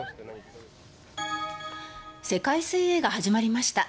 世界水泳が始まりました。